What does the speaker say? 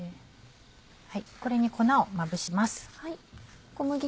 これに粉をまぶします。